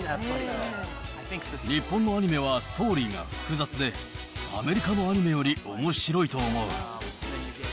日本のアニメはストーリーが複雑で、アメリカのアニメよりおもしろいと思う。